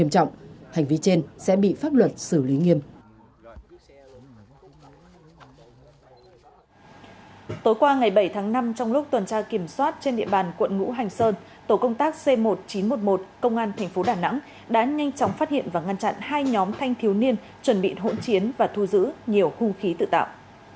trên địa bàn quận ngũ hành sơn tổ công tác c một nghìn chín trăm một mươi một công an thành phố đà nẵng đã nhanh chóng phát hiện và ngăn chặn hai nhóm thanh thiếu niên chuẩn bị hỗn chiến và thu giữ nhiều hưu khí tự tạo